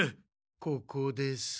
ここです。